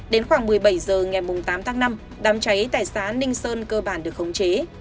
đến khoảng một mươi bảy h ngày tám tháng năm đám cháy tại xã ninh sơn cơ bản được khống chế